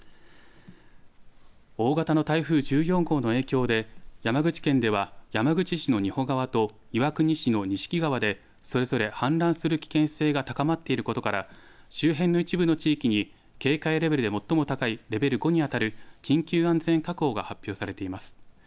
大型の台風１４号の影響で、山口県では山口市の仁保川と岩国市の錦川で、それぞれ氾濫する危険性が高まっていることから、周辺の一部の地域に警戒レベルで最も高いレベル５に当たる緊急安全確保が発表されています。